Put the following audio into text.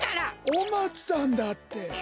お松さんだって！